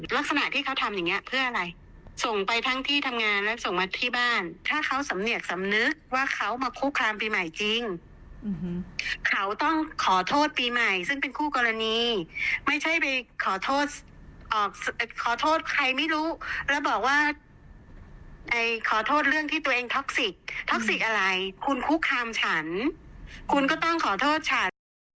ลักษณะที่เขาทำอย่างเงี้เพื่ออะไรส่งไปทั้งที่ทำงานแล้วส่งมาที่บ้านถ้าเขาสำเนียกสำนึกว่าเขามาคุกคามปีใหม่จริงเขาต้องขอโทษปีใหม่ซึ่งเป็นคู่กรณีไม่ใช่ไปขอโทษออกขอโทษใครไม่รู้แล้วบอกว่าขอโทษเรื่องที่ตัวเองท็อกซิกท็อกสิกอะไรคุณคุกคามฉันคุณก็ต้องขอโทษฉัน